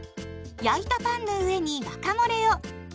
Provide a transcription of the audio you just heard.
焼いたパンの上にワカモレを。